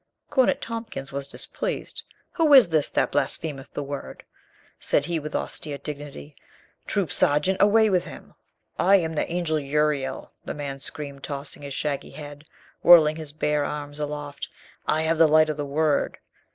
Cornet Tompkins was displeased. "Who is this that blasphemeth the Word?" said he with austere dignity. "Troop sergeant, away with him !" CONCERNING THE ANGEL URIEL 8i "I am the Angel Uriel !" the man screamed, toss ing his shaggy head, whirling his bare arms aloft. "I have the light of the Word.